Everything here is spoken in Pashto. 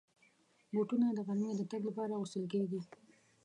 بوټونه د غرمې د تګ لپاره اغوستل کېږي.